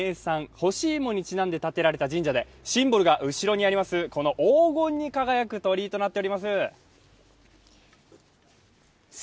干し芋にちなんで建てられた神社でシンボルがこの黄金に輝く鳥居となっております。